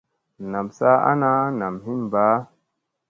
Nam saa ana nam hin mbaa.